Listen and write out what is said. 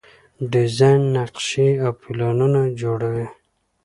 ډیزاین نقشې او پلانونه جوړوي.